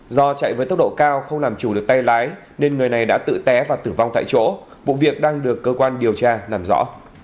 do chạy với tốc độ cao không làm chủ được tay lái nên người này đã tự té và tử vong tại chỗ vụ việc đang được cơ quan điều tra làm rõ